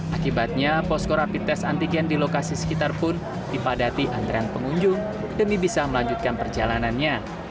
akibatnya posko rapid test antigen di lokasi sekitar pun dipadati antrean pengunjung demi bisa melanjutkan perjalanannya